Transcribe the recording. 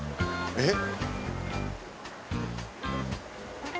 「えっ？」